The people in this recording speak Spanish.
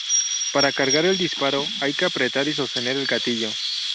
Para cargar el disparo, hay que apretar y sostener el gatillo.